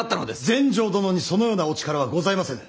全成殿にそのようなお力はございませぬ。